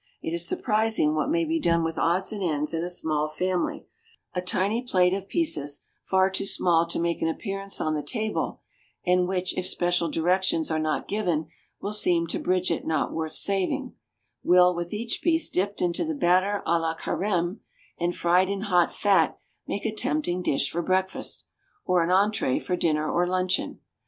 It is surprising what may be done with odds and ends in a small family; a tiny plate of pieces, far too small to make an appearance on the table, and which, if special directions are not given, will seem to Bridget not worth saving, will, with each piece dipped into the batter à la Carême, and fried in hot fat, make a tempting dish for breakfast, or an entrée for dinner or luncheon.